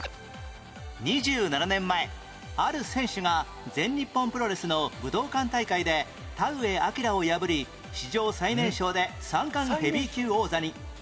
２７年前ある選手が全日本プロレスの武道館大会で田上明を破り史上最年少で三冠ヘビー級王座に